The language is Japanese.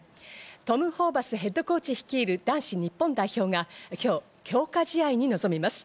トム・ホーバスＨＣ率いる男子日本代表が今日、強化試合に臨みます。